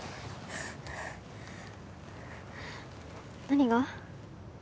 何が？